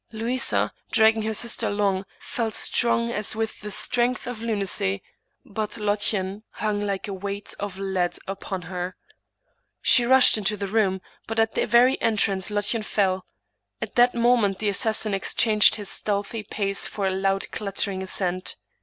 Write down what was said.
Louisa, dragging her sister along, felt strong as with the strength of lunacy, but Lottchen hung like a weight of lead upon her. She rushed into the room, but at the very entrance Lottchen fell. At that moment the assassin ex changed his stealthy pace for a loud clattering ascent.